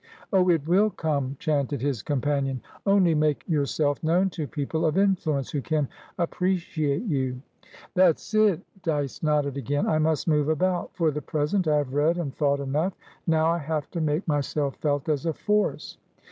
"Oh it will come!" chanted his companion. "Only make yourself known to people of influence, who can appreciate you." "That's it." Dyce nodded again. "I must move about. For the present, I have read and thought enough; now I have to make myself felt as a force."